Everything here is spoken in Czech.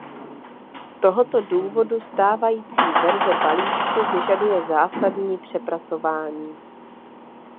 Z tohoto důvodu stávající verze balíčku vyžaduje zásadní přepracování.